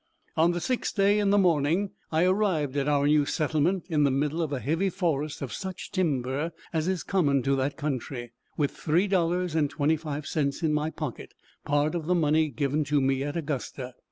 On the sixth day, in the morning, I arrived at our new settlement in the middle of a heavy forest of such timber as is common to that country, with three dollars and twenty five cents in my pocket, part of the money given to me at Augusta.